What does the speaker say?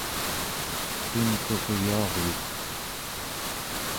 tunturyuaryuk